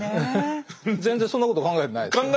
全然そんなこと考えてないです。